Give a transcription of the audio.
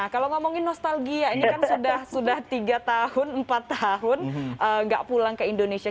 kalau ngomongin nostalgia sudah tiga tahun empat tahun nggak pulang ke indonesia